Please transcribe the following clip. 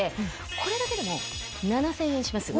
これだけでも７０００円します。